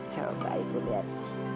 coba ibu lihat